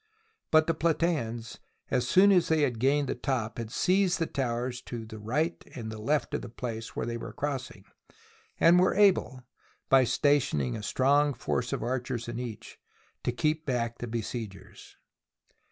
But the Platseans, as soon as they had gained the top had seized the towers to right and to left of the place where they were crossing, and were able, by station ing a strong force of archers in each, to keep back the besiegers.